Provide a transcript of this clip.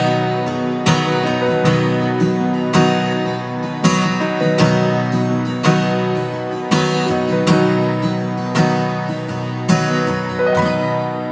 สมอยู่ในใจตลอดไป